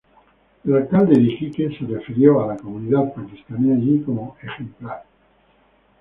El alcalde de Iquique se refirió a la comunidad pakistaní allí como "ejemplar".